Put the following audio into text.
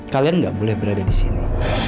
kalian nggak boleh berada di sini